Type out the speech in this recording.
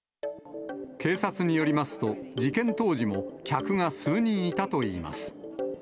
警察によりますと、事件当時も客が数人いたといいます。